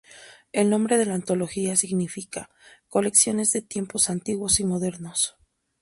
El nombre de la antología significa "Colecciones de tiempos antiguos y modernos".